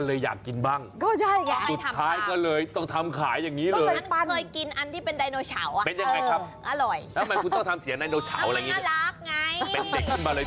ใช่แล้วอายุลดขึ้นลงมาเลย